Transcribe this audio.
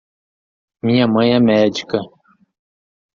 Minha mãe é médica.